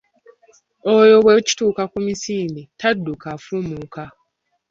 Oyo bw’ekituuka ku misinde, tadduka afuumuuka.